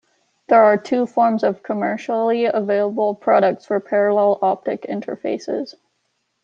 There are two forms of commercially available products for parallel optic interfaces.